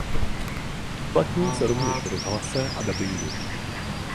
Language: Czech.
Uplatnil se rovněž v rozhlase a dabingu.